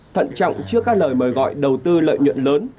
thận trọng trước các lời mời gọi đầu tư lợi nhuận lớn